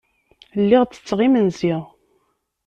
Lliɣ ttetteɣ imensi.